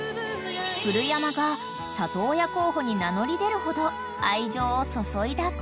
［古山が里親候補に名乗り出るほど愛情を注いだ子］